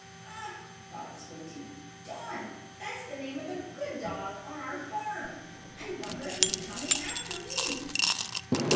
"Ha!" thought Squinty. "Don! That's the name of the good dog on our farm! I wonder if he is coming after me?"